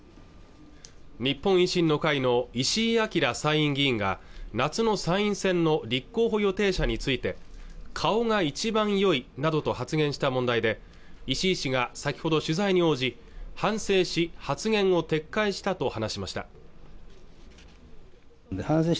日本維新の会の石井章参院議員が夏の参院選の立候補予定者について顔が一番良いなどと発言した問題で石井氏が先ほど取材に応じ反省し発言を撤回したと話しました